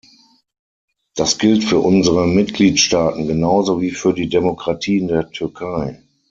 Das gilt für unsere Mitgliedstaaten genauso wie für die Demokratie in der Türkei.